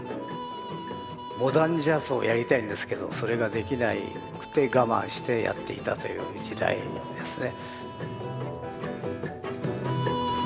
モダンジャズをやりたいんですけどそれができなくて我慢してやっていたという時代ですね。